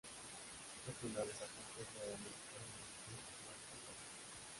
Estos nuevos agentes no eran necesariamente más potentes.